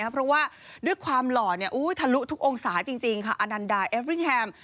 เพราะว่าด้วยความหล่อทะลุทุกองศาจริงค่ะอนันดาเอฟริ่งแฮม